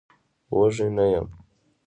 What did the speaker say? وږی نه يم.